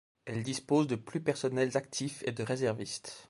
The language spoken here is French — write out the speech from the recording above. Elles disposent de plus personnels actifs et de réservistes.